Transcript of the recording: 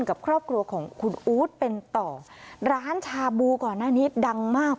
กับครอบครัวของคุณอู๊ดเป็นต่อร้านชาบูก่อนหน้านี้ดังมาก